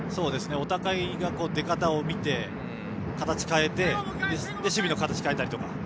お互い、出方を見て守備の形を変えたりとか。